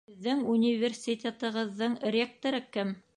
Һеҙҙең университетығыҙҙың ректоры кем?